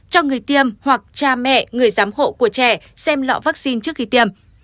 cho người tiêm hoặc cha mẹ người giám hộ của trẻ xem lọ vaccine trước khi tiêm